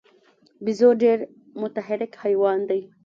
بیزو ډېر متحرک حیوان دی.